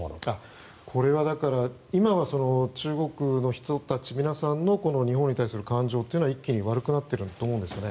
これは今は中国の人たち皆さんの日本に対する感情は感情は一気に悪くなっていると思います。